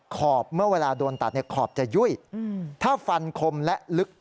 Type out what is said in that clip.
ขอบเมื่อเวลาโดนตัดเนี่ยขอบจะยุ่ยถ้าฟันคมและลึก